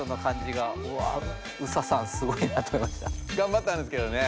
がんばったんですけどね